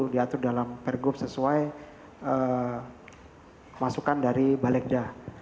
diatur dalam pergub sesuai masukan dari balik dah